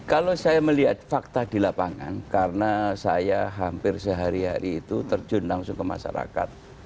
kalau saya melihat fakta di lapangan karena saya hampir sehari hari itu terjun langsung ke masyarakat